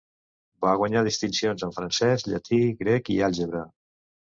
Va guanyar distincions en francès, llatí, grec i àlgebra.